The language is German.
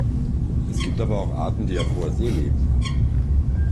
Es gibt aber auch Arten, die auf hoher See leben.